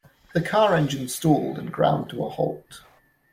The car engine stalled and ground to a halt.